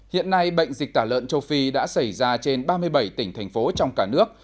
hiện nay bệnh dịch tả lợn châu phi đã xảy ra trên ba mươi bảy tỉnh thành phố trong cả nước